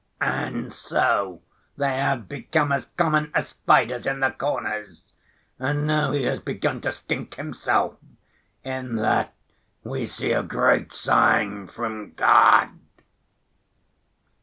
And so they have become as common as spiders in the corners. And now he has begun to stink himself. In that we see a great sign from God."